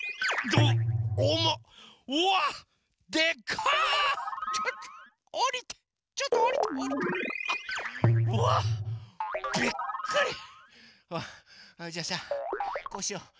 それじゃさこうしよう。